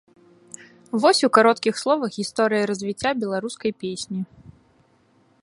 Вось у кароткіх словах гісторыя развіцця беларускай песні.